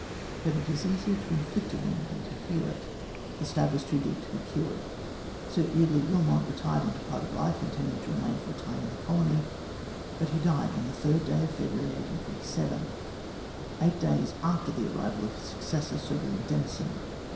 But it is easier to inflict a wound than to heal it ; the stab was too deep to be cured. Sir Eardley Wilmot retired into private life, intending to remain for a time in the colony, but he died on the third day of February 1847, eight days after the arrival of his successor, Sir William Denison.